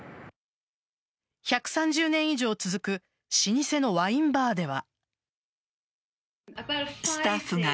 １３０年以上続く老舗のワインバーでは。